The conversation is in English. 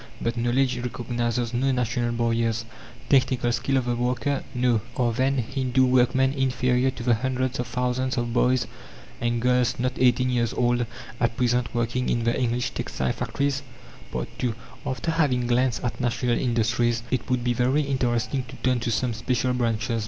But knowledge recognizes no national barriers. Technical skill of the worker? No. Are, then, Hindoo workmen inferior to the hundreds of thousands of boys and girls, not eighteen years old, at present working in the English textile factories? II After having glanced at national industries it would be very interesting to turn to some special branches.